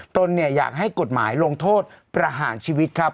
อยากให้กฎหมายลงโทษประหารชีวิตครับ